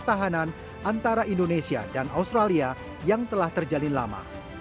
pertahanan antara indonesia dan australia yang telah terjalin lama